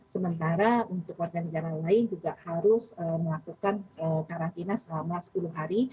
sementara untuk warga negara lain juga harus melakukan karantina selama sepuluh hari